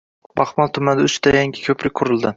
Baxmal tumanida uchta yangi ko‘prik qurildi